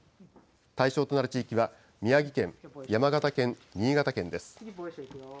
対象となる地域は、宮城県、山形県、新潟県です。